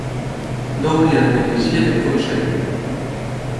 No hauria de negligir aquest consell.